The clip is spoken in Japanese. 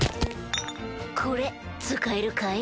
これ使えるかい？